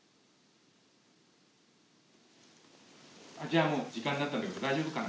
じゃあもう時間になったんだけど大丈夫かな。